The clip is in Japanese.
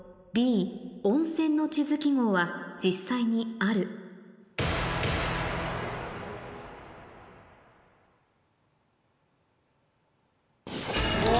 Ｂ温泉の地図記号は実際にあるお！